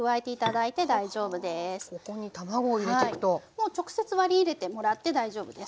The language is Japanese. もう直接割り入れてもらって大丈夫です。